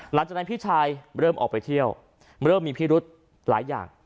หลังจากนั้นพี่ชายเริ่มออกไปเที่ยวเริ่มมีพิรุธหลายอย่าง